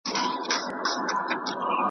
توتکۍ چي ځالګۍ ته را ستنه سوه .